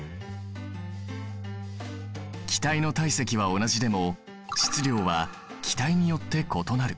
気体の体積は同じでも質量は気体によって異なる。